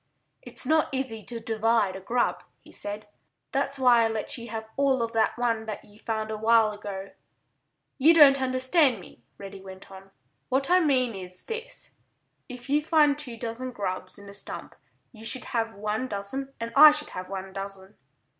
"It's not easy to divide a grub," he said. "That's why I let you have all of that one that you found a while ago." "You don't understand me," Reddy went on. "What I mean is this: If we find two dozen grubs in a stump you should have one dozen and I should have one dozen."